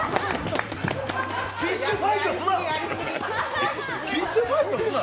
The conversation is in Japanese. フィッシュファイトすな！